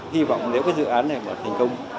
hy vọng nếu cái dự án này vào thành công